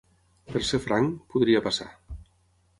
Per ser franc, podria passar.